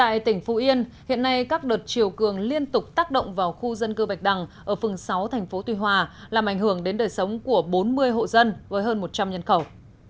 nhưng hiện nay các đợt triều cường liên tục tác động vào khu dân cư bạch đằng ở phường sáu tp tuy hòa làm ảnh hưởng đến đời sống của bốn mươi hộ dân với hơn một trăm linh nhân khẩu